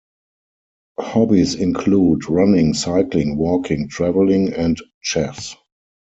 Hobbies include running, cycling, walking, traveling, and chess.